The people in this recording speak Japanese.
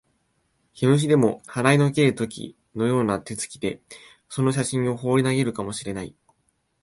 毛虫でも払いのける時のような手つきで、その写真をほうり投げるかも知れない